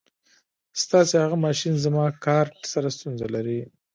ستاسې هغه ماشین زما کارټ سره ستونزه لري.